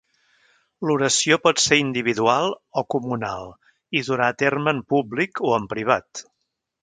L'oració pot ser individual o comunal i durà a terme en públic o en privat.